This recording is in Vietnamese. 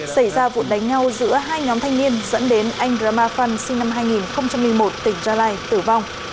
xảy ra vụ đánh nhau giữa hai nhóm thanh niên dẫn đến anh rama phan sinh năm hai nghìn một mươi một tỉnh gia lai tử vong